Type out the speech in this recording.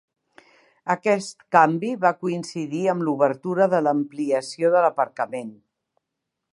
Aquest canvi va coincidir amb l'obertura de l'ampliació de l'aparcament.